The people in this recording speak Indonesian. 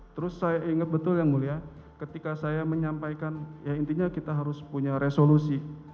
terus saya ingat betul yang mulia ketika saya menyampaikan ya intinya kita harus punya resolusi